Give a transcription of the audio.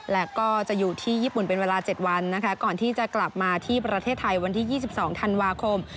และก็จะอยู่ที่ญี่ปุ่นเป็นเวลา๗วันนะคะก่อนที่จะกลับมาที่ประเทศไทยวันที่๒๒ธันวาคม